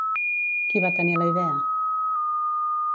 Qui va tenir la idea?